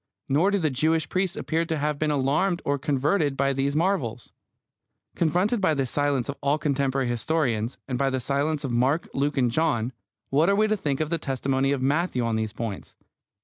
Nor do the Jewish priests appear to have been alarmed or converted by these marvels. Confronted by this silence of all contemporary historians, and by the silence of Mark, Luke, and John, what are we to think of the testimony of Matthew on these points?